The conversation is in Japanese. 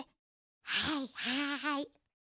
はいはい。